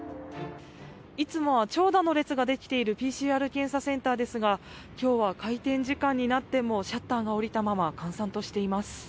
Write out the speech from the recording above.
いつもは長蛇の列ができているＰＣＲ検査センターですが今日は開店時間になってもシャッターが下りたまま閑散としています。